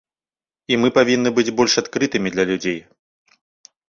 І мы павінны быць больш адкрытымі для людзей.